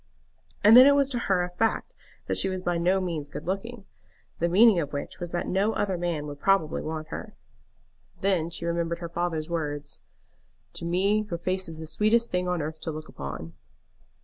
And then it was to her a fact that she was by no means good looking, the meaning of which was that no other man would probably want her. Then she remembered her father's words, "To me your face is the sweetest thing on earth to look upon."